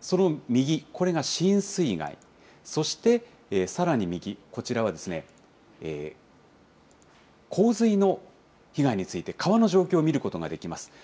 その右、これが浸水害、そしてさらに右、こちらは洪水の被害について、川の状況を見ることができます。